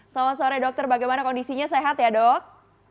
selamat sore dokter bagaimana kondisinya sehat ya dok